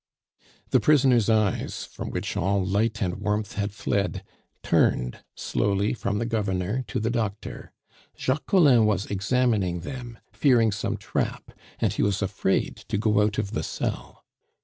The prisoner's eyes, from which all light and warmth had fled, turned slowly from the governor to the doctor; Jacques Collin was examining them, fearing some trap, and he was afraid to go out of the cell.